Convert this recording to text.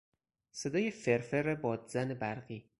صدای فرفر بادزن برقی